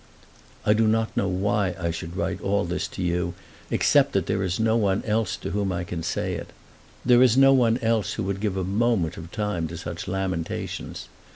I do not know why I should write all this to you except that there is no one else to whom I can say it. There is no one else who would give a moment of time to such lamentations.